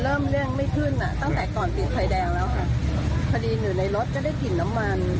เรื่องเลี่ยงไม่ขึ้นอ่ะตั้งแต่ก่อนติดไฟแดงแล้วค่ะพอดีอยู่ในรถก็ได้กลิ่นน้ำมัน